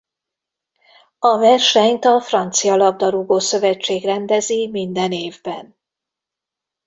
A versenyt a Francia labdarúgó-szövetség rendezi minden évben.